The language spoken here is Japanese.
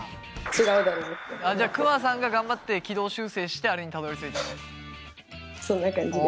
ああじゃあくまさんが頑張って軌道修正してあれにたどりついたんだね。